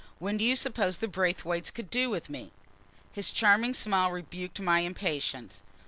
When do you suppose the Braithwaites could do with me?" His charming smile rebuked my impatience.